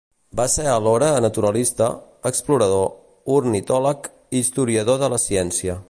Va ser a l'hora naturalista, explorador, ornitòleg i historiador de la ciència.